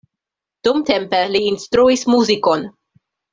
Dumtempe li instruis muzikon.